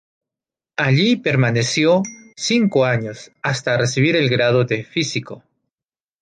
Allí permaneció cinco años hasta recibir el grado de físico.